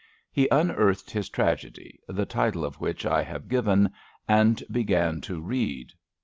He unearthed his tragedy, the title of which I have given, and began to read.